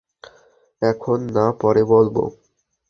এখন না, পরে বলব।